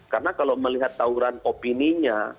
karena kalau melihat tawuran opininya